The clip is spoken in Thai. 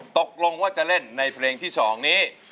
ตกลงว่าจะเล่นในเพลงที่๒นี้